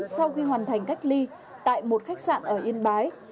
sau khi hoàn thành cách ly tại một khách sạn ở yên bái